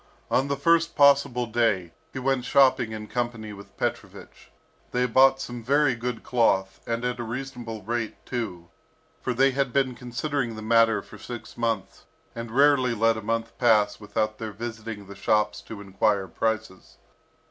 On the first possible day, he went shopping in company with Petrovich. They bought some very good cloth, and at a reasonable rate too, for they had been considering the matter for six months, and rarely let a month pass without their visiting the shops to enquire prices.